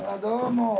どうも。